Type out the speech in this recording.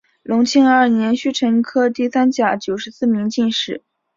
隆庆二年戊辰科第三甲第九十四名进士。